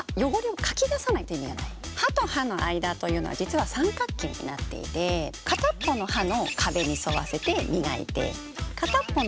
歯と歯の間というのは実は三角形になっていて片っ方の歯の壁に沿わせて磨いて片っ方の歯に沿わせて磨く。